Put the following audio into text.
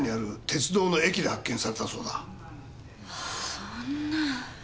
そんな。